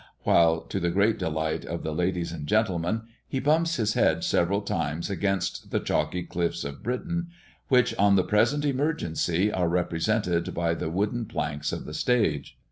while, to the great delight of the ladies and gentlemen, he bumps his head several times against the chalky cliffs of Britain, which, on the present emergency, are represented by the wooden planks of the stage.